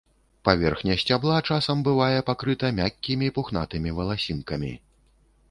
Паверхня сцябла часам бывае пакрыта мяккімі пухнатымі валасінкамі.